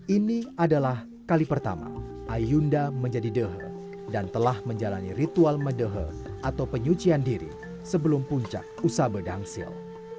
ini adalah kali pertama ayunda menjadi dehe dan telah menjalani ritual medehe atau penyucian diri sebelum puncak usabe dangsil